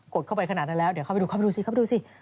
กดเข้าไปขนาดนั้นแล้วเดี๋ยวเข้าไปดูสิ